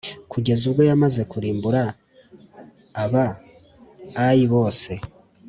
kugeza ubwo yamaze kurimbura aba Ayi bose